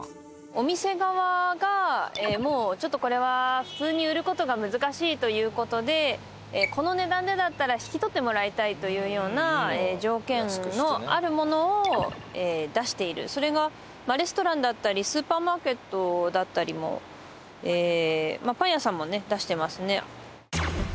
お店側がもうちょっとこれは普通に売ることが難しいということでこの値段でだったら引き取ってもらいたいというような条件のあるものを出しているそれがレストランだったりスーパーマーケットだったりもパン屋さんもね出してますね